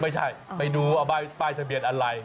ไปดูเอาป้ายทะเบียนอะไร